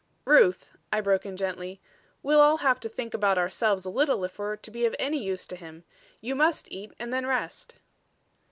"Ruth," I broke in gently, "we'll all have to think about ourselves a little if we're to be of any use to him. You must eat and then rest."